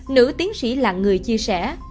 nữ tiến sĩ là người chia sẻ